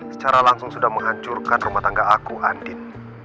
secara langsung sudah menghancurkan rumah tangga aku andin